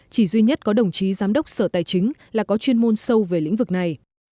chỉ duy nhất có đồng chí giám đốc sở tài chính là có chuyên môn sâu về lĩnh vực này